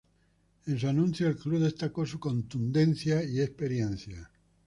En su anuncio el club destacó su contundencia y experiencia.